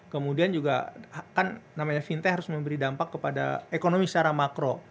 kemudian juga kan namanya fintech harus memberi dampak kepada ekonomi secara makro